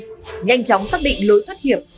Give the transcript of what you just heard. ba nhanh chóng xác định lối thoát hiểm